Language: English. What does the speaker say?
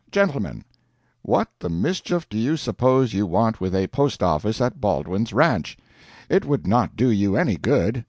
'GENTLEMEN: What the mischief do you suppose you want with a post office at Baldwin's Ranch? It would not do you any good.